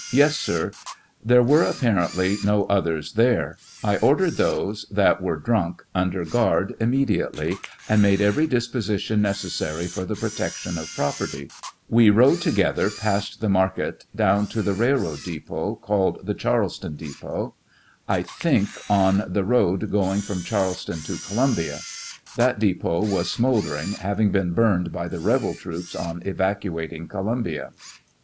Yes, sir ; there were apparently no others there ; I ordered those that were drunk under guard immedi ately, and made every disposition necessary for the protection of property ; we rode together past the mar ket down to the railroad depot, called the Charleston depot, I think, on the road going from Charleston to Columbia ; that depot was smouldering, having been burned by the rebel troops on evacuating Columbia.